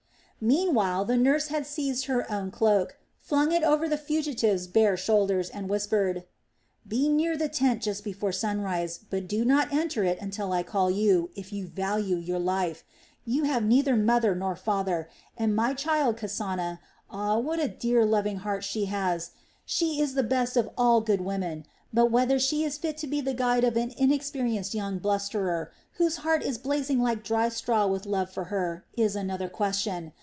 Meanwhile the nurse had seized her own cloak, flung it over the fugitive's bare shoulders, and whispered: "Be near the tent just before sunrise, but do not enter it until I call you, if you value your life. You have neither mother nor father, and my child Kasana ah, what a dear, loving heart she has! she is the best of all good women; but whether she is fit to be the guide of an inexperienced young blusterer, whose heart is blazing like dry straw with love for her, is another question.